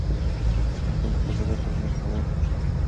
ثمر ګل خپل څادر پر ځمکه هوار کړ.